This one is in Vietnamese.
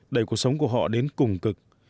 đẩy cuộc sống của họ đến cùng cực